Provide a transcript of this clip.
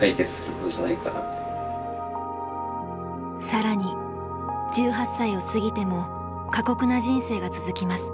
更に１８歳を過ぎても過酷な人生が続きます。